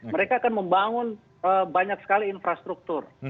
mereka akan membangun banyak sekali infrastruktur